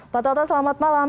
pak toto selamat malam